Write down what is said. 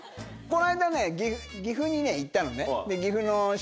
この間ね岐阜に行ったのね。